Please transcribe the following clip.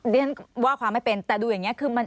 เรียนว่าความไม่เป็นแต่ดูอย่างนี้คือมัน